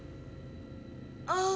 あ。